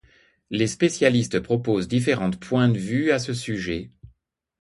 Les spécialistes proposent différentes points de vue à ce sujet.